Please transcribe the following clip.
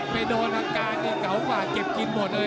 ไปโดนอาการเก๋วเก็บกินหมดเลย